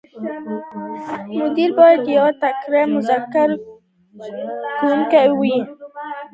مدیر باید یو تکړه مذاکره کوونکی وي.